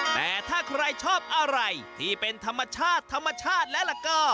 แต่ถ้าใครชอบอะไรที่เป็นธรรมชาติธรรมชาติแล้วก็